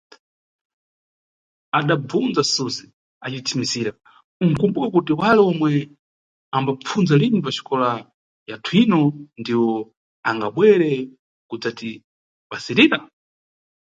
Adabvundza Suze acithimizira: Unʼkumbuka kuti wale omwe ambapfundza lini paxikola yathuyino ndiwo angabwere kudzatipsayirira?